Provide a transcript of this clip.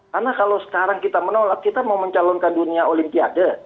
karena kalau sekarang kita menolak kita mau mencalonkan dunia olimpiade